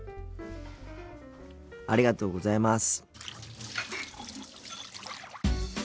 ありがとうございます。